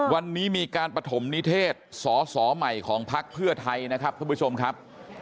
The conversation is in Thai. วันนี้มีการปฐมนิเทศสอสอใหม่ของพักเพื่อไทยนะครับท่านผู้ชมครับ